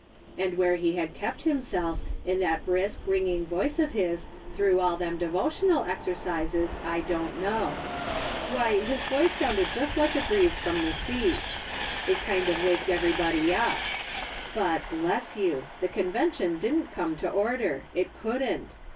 And where he had kept himself, and that brisk, ringing voice of his through all them devotional exercises, I don't know. Why, his voice sounded just like a breeze from the 84 A//!S. SOLOMON SMITH LOOKING ON. sea. It kind of waked everybody up. liut, bless you ! the Convention didn't come to order; it couldn't.